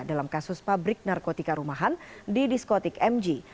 dalam kasus pabrik narkotika rumahan di diskotik mg